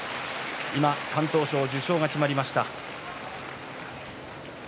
今、敢闘賞受賞が決まりました。